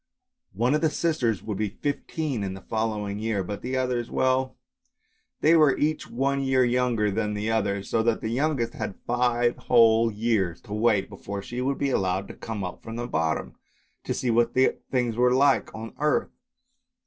One of the sisters would be fifteen in the following year, but the others — well, they were each one year younger than the other, so that the youngest had five whole years to wait before she would be allowed to come up from the bottom, to see what things were like on earth.